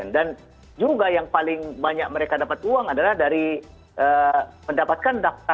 dan juga yang paling banyak mereka dapat uang adalah dari mendapatkan daftar uang yang mereka dapatkan dari platform ini